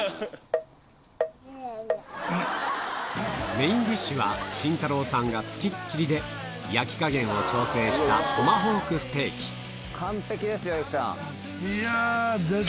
メインディッシュは慎太郎さんが付きっきりで焼き加減を調整したトマホークステーキ完璧ですよ。